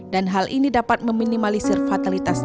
dan hal ini dapat meminimalisir fatalitas